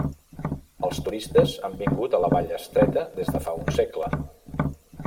Els turistes han vingut a la vall estreta des de fa un segle.